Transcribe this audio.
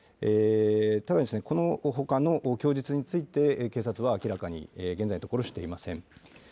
ただ、このほかの供述について警察は明らかに現在のところしていません。